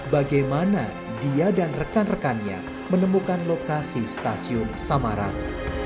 bagaimana dia dan rekan rekannya menemukan lokasi stasiun samarang